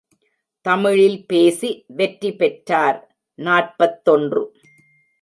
தமிழில் பேசி வெற்றி பெற்றார் நாற்பத்தொன்று.